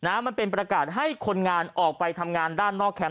มันเป็นประกาศให้คนงานออกไปทำงานด้านนอกแคมป